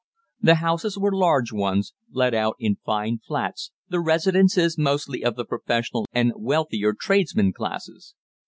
The houses were large ones, let out in fine flats, the residences mostly of the professional and wealthier tradesman classes.